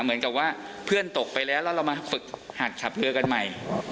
เหมือนกับว่าเพื่อนตกไปแล้วแล้วเรามาฝึกหัดขับเรือกันใหม่